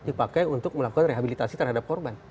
dipakai untuk melakukan rehabilitasi terhadap korban